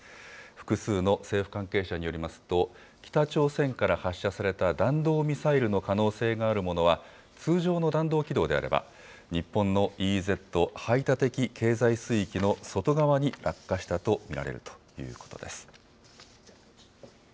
複数の政府関係者によりますと、北朝鮮から発射された弾道ミサイルの可能性があるものは、通常の弾道軌道であれば、日本のＥＥＺ・排他的経済水域の外側に落下したと見られるということです。